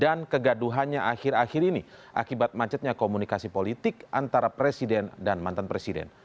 dan kegaduhannya akhir akhir ini akibat macetnya komunikasi politik antara presiden dan mantan presiden